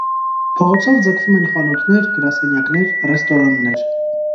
Փողոցով ձգվում են խանութներ, գրասենյակներ, ռեստորաններ։